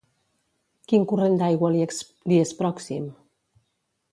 Quin corrent d'aigua li és pròxim?